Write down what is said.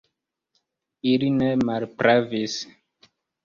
Ili ne malpravis.